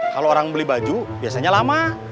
kalau orang beli baju biasanya lama